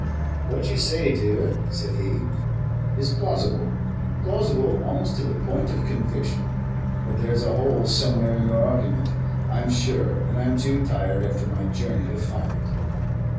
"What you say, dear," said he, "is plausible. Plausible almost to the point of conviction. But there's a hole somewhere in your argument, I'm sure, and I'm too tired after my journey to find it."